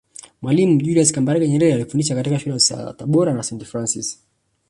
Mwalimu Julius Kambarage Nyerere alifundisha katika Shule za Tabora na Saint Francis